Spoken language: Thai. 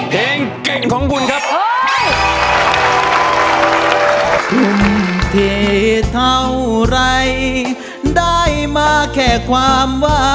เพลงเก่งของคุณครับ